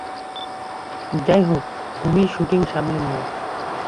যাইহোক, তুমিই শুটিং সামলে নিও।